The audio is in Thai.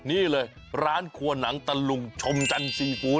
นี่เลยร้านครัวหนังตะลุงชมจันทร์ซีฟู้ด